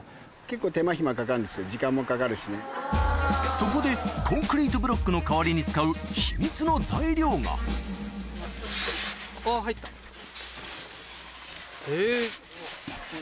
そこでコンクリートブロックの代わりに使うえぇ。